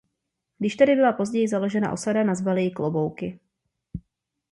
Když tady byla později založena osada nazvali ji Klobouky.